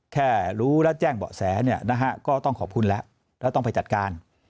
แค่รู้และแจ้งเบาะแสเนี่ยนะฮะก็ต้องขอบคุณแล้วแล้วต้องไปจัดการ